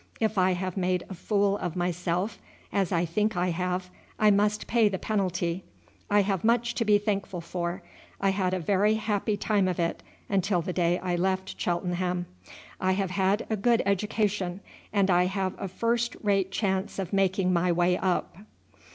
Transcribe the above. If I have made a fool of myself, as I think I have, I must pay the penalty. I have much to be thankful for. I had a very happy time of it until the day I left Cheltenham. I have had a good education, and I have a first rate chance of making my way up.